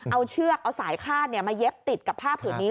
เอาเชือกเอาสายคาดมาเย็บติดกับผ้าผืนนี้